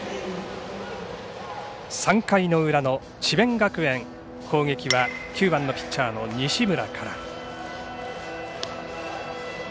３回の裏の智弁学園攻撃は９番のピッチャーの西村から。